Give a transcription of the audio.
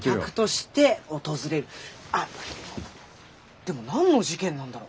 あっでも何の事件なんだろ？